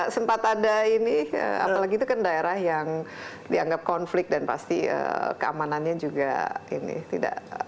sempat ada ini apalagi itu kan daerah yang dianggap konflik dan pasti keamanannya juga ini tidak